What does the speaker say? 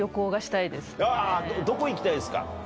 えー、どこ行きたいですか？